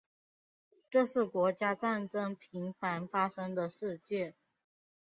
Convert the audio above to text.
这是国家战争频繁发生的世界。